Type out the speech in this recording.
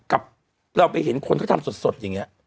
กับเราไปเห็นคนเขาทำสดอย่างนี้